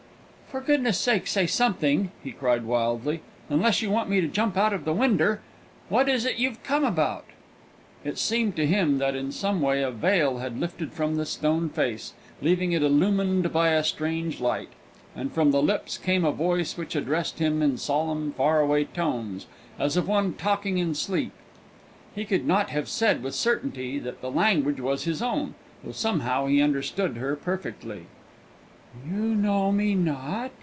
"For goodness' sake, say something!" he cried wildly; "unless you want me to jump out of the winder! What is it you've come about?" It seemed to him that in some way a veil had lifted from the stone face, leaving it illumined by a strange light, and from the lips came a voice which addressed him in solemn far away tones, as of one talking in sleep. He could not have said with certainty that the language was his own, though somehow he understood her perfectly. "You know me not?"